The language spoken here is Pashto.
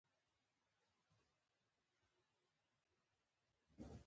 ما باید دا لېوالتیا د ماشوم ذهن ته ورسولای